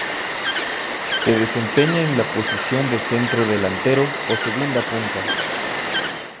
Se desempeña en la posición de centrodelantero o segunda punta.